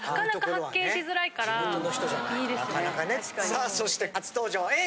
さあそして初登場はＡぇ！